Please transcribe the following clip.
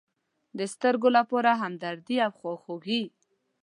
د سترگو لپاره همدردي او خواخوږي.